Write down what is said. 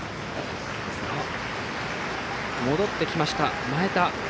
戻ってきました、前田。